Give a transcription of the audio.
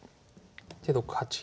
で６八銀。